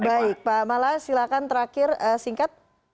baik pak mala silahkan terakhir singkat